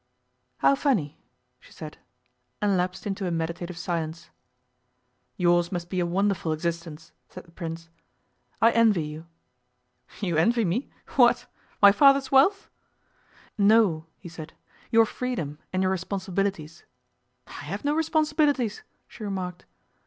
'How funny!' she said, and lapsed into a meditative silence. 'Yours must be a wonderful existence,' said the Prince. 'I envy you.' 'You envy me what? My father's wealth?' 'No,' he said; 'your freedom and your responsibilities.' 'I have no responsibilities,' she remarked.